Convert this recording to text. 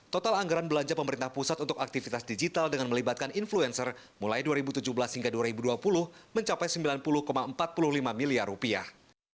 total anggaran belanja pemerintah pusat untuk aktivitas digital dengan melibatkan influencer mulai dua ribu tujuh belas hingga dua ribu dua puluh mencapai sembilan puluh empat puluh lima miliar rupiah